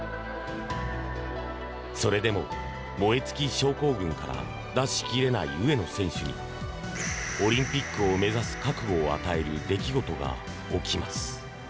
それでも燃え尽き症候群から脱しきれない上野選手にオリンピックを目指す覚悟を与える出来事が起きます。